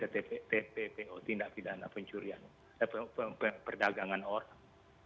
tpp tpo tindak pidana pencurian perdagangan orang